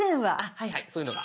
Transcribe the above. はいはいそういうのが。